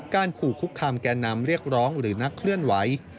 ขู่คุกคามแก่นำเรียกร้องหรือนักเคลื่อนไหว